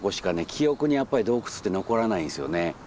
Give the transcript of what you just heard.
記憶にやっぱり洞窟って残らないんですよね。